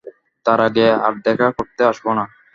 তার আগে আর দেখা করতে আসব না।